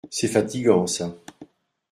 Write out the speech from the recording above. C’est fatigant ça.